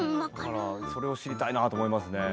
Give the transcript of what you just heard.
それを知りたいなと思いますね。